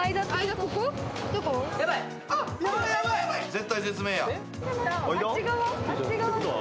絶体絶命や。